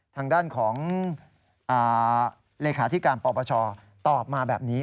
ทางด้านของเลขาธิการปปชตอบมาแบบนี้